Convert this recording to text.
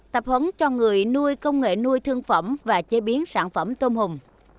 tập huấn cho người nuôi công nghệ nuôi thương phẩm và chế biến sản phẩm tôm hùm